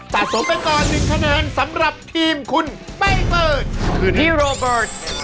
ตัดสมันตอน๑คะแนนสำหรับทีมคุณใบเปิดพี่โรเบิร์ต